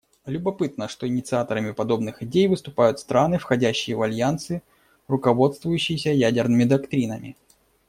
Любопытно, что инициаторами подобных идей выступают страны, входящие в альянсы, руководствующиеся ядерными доктринами.